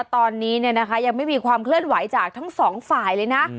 ตอนนี้ยังไม่มีความเคลื่อนไหวจากทั้งสองฝ่ายเลยนะ